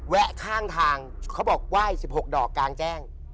แวะข้างทางเขาบอกไหว้สิบหกดอกกางแจ้ง